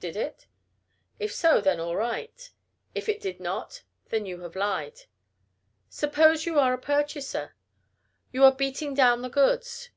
Did it? If so, then all right. If it did not, then you have lied. Suppose you are a purchaser. You are "beating down" the goods.